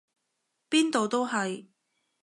邊度都係！